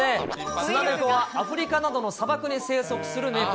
スナネコはアフリカなどの砂漠に生息するネコ。